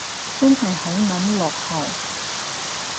真係好撚落後